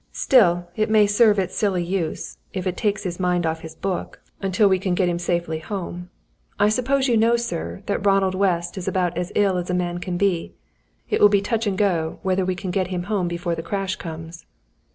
Still it may serve its silly use, if it takes his mind off his book, until we can get him safely home. I suppose you know, sir, that Ronald West is about as ill as a man can be? It will be touch and go whether we can get him home before the crash comes."